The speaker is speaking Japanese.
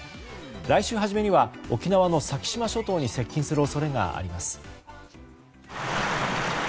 来週初めには沖縄の先島諸島に接近する恐れがあります。